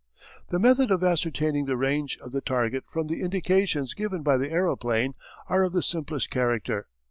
The method of ascertaining the range of the target from the indications given by the aeroplane are of the simplest character.